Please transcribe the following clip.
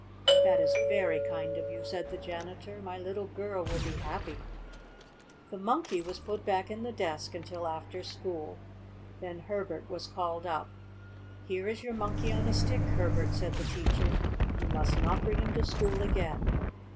"That is very kind of you," said the janitor. "My little girl will be happy." The Monkey was put back in the desk until after school. Then Herbert was called up. "Here is your Monkey on a Stick, Herbert," said the teacher. "You must not bring him to school again."